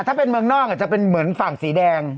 ถ้าเป็นเมืองนอกจะเป็นเหมือนฝั่งสีแดง